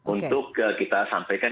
untuk kita sampaikan